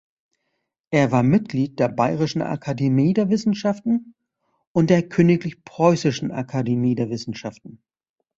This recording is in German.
Er war Mitglied der Bayerischen Akademie der Wissenschaften und der Königlich-Preußischen Akademie der Wissenschaften.